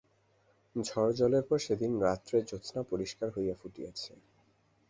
ঝড়জলের পর সেদিন রাত্রে জ্যোৎস্না পরিষ্কার হইয়া ফুটিয়াছে।